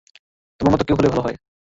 তোমার মত কেউ হলে ভাল হয়।